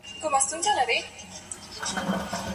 زما ورور په شپاڼس ډالره یو ښکلی نرمغالی رانیولی و.